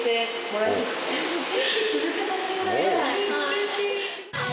・うれしい。